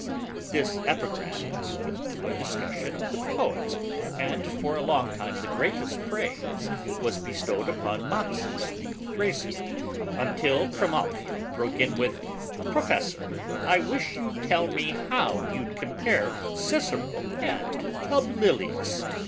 This epigram led up to a discussion of the poets, and for a long time, the greatest praise was bestowed upon Mopsus the Thracian, until Trimalchio broke in with: "Professor, I wish you'd tell me how you'd compare Cicero and Publilius.